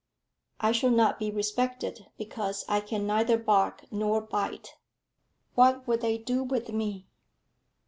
"I shall not be respected, because I can neither bark nor bite. What will they do with me?"